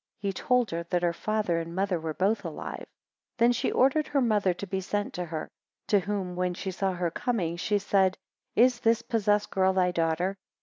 He told her, That her father and mother were both alive, 8 Then she ordered her mother to be sent to her; to whom, when she saw her coming, she said, Is this possessed girl thy daughter?